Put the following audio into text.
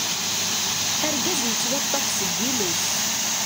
Argaz yettwaṭṭaf seg yiles.